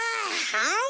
はい！